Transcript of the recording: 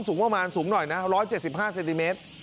สูงประมาณสูงหน่อยนะร้อยเจ็ดสิบห้าเซนติเมตร